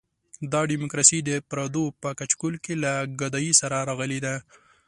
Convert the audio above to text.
دا ډیموکراسي د پردو په کچکول کې له ګدایۍ سره راغلې ده.